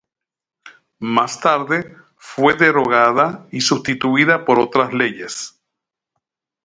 Más tarde fue derogada y sustituida por otras leyes.